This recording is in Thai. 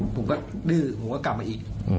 ผมก็ดื้อผมก็กลับมาอีก